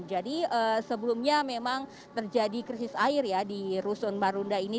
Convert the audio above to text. jadi sebelumnya memang terjadi krisis air ya di rusun marunda ini